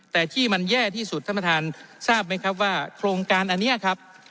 แต่ที่มันแย่ที่สุดท่านประธานทราบไหมครับว่าโครงการอันนี้ครับ